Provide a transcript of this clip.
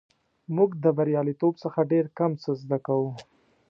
موږ د بریالیتوب څخه ډېر کم څه زده کوو.